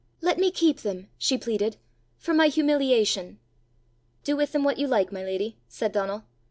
"Let me keep them," she pleaded, " for my humiliation!" "Do with them what you like, my lady," said Donal.